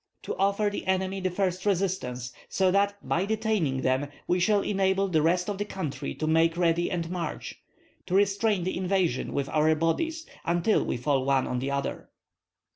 To offer the enemy the first resistance, so that by detaining them we shall enable the rest of the country to make ready and march, to restrain the invasion with our bodies until we fall one on the other."